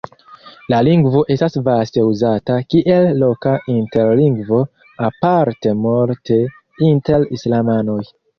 La lingvo estas vaste uzata kiel loka interlingvo, aparte multe inter islamanoj.